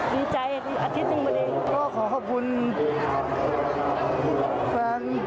ดีใจอาทิตย์จึงมาได้